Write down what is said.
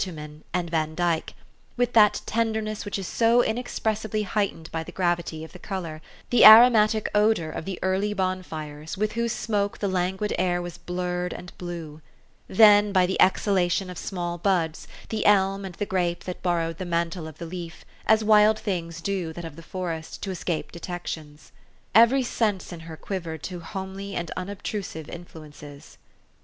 der, bitumen, and Vandyck, with that tenderness which is so inexpressibly heightened by the gravity of the color ; the aromatic odor of the early bonfires with whose smoke the languid air was blurred and blue ; then by the exhalation of small buds, the ehn and the grape that borrowed the mantle of the leaf, as wild things do that of the forest, to escape detec tion. Every sense in her quivered to homely and unobtrusive influences.